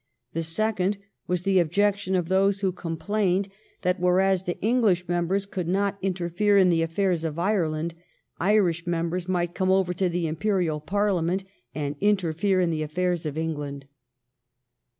The second was the objection of those who complained 381 382 THE STORY OF GLADSTONES LIFE that, whereas the English members could not in terfere in the affairs of Ireland, Irish members might come over to the Imperial Parliament and interfere in the affairs of England.